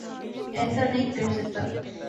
ایسا نہیں کرسکتا